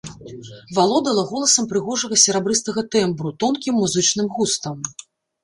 Валодала голасам прыгожага серабрыстага тэмбру, тонкім музычным густам.